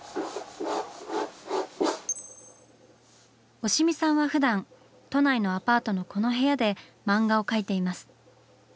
押見さんはふだん都内のアパートのこの部屋で漫画を描いています。